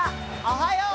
おはよう！